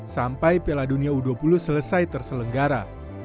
sampai piala dunia u dua puluh selesai terselenggara